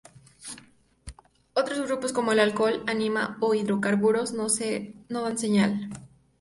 Otros grupos como el alcohol, amina e hidrocarburos no dan señal.